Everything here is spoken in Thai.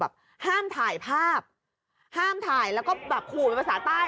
ห้ามถ่ายภาพห้ามถ่ายแล้วก็แบบขู่เป็นภาษาใต้